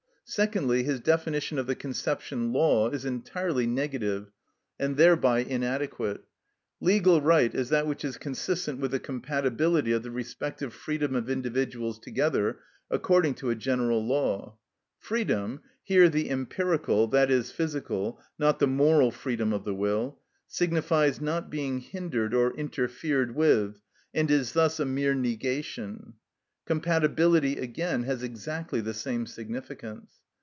Secondly, his definition of the conception law is entirely negative, and thereby inadequate.(11) Legal right is that which is consistent with the compatibility of the respective freedom of individuals together, according to a general law. Freedom (here the empirical, i.e., physical, not the moral freedom of the will) signifies not being hindered or interfered with, and is thus a mere negation; compatibility, again, has exactly the same significance.